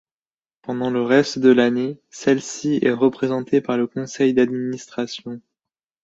Pendant le reste de l’année, celle-ci est représentée par le conseil d’administration.